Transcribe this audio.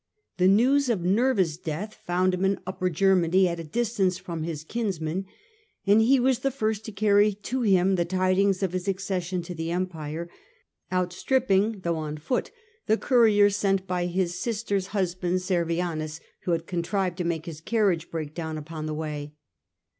The news of Nerva's death found him in Upper Germany at a dis tance from his kinsman, and he was the first to carry to him the tidings of his accession to the empire, outstrip ping, though on foot, the courier sent by his sister's hus band Servianus, who had contrived to make his carriage break down upon the way.